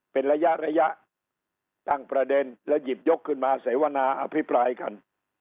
เป็นระยะระยะตั้งประเด็นแล้วหยิบยกขึ้นมาเสวนาอภิปรายกัน